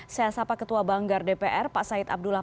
saya sapa ketua banggar dpr pak said abdullah